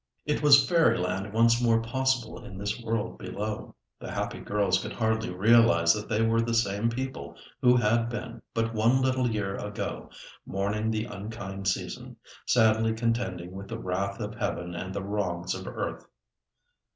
It was fairyland once more possible in this world below. The happy girls could hardly realise that they were the same people who had been, but one little year ago, mourning the unkind season, sadly contending with the wrath of Heaven and the wrongs of earth.